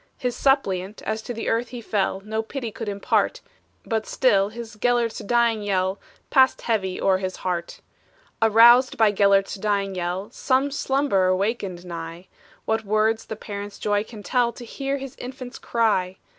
His suppliant, as to earth he fell, No pity could impart; But still his Gelert's dying yell Passed heavy o'er his heart. Aroused by Gelert's dying yell, Some slumberer wakened nigh; What words the parent's joy can tell, To hear his infant cry!